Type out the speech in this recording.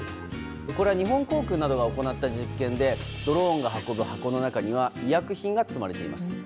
これは日本航空などが行った実験でドローンが運ぶ箱の中には医薬品が積まれています。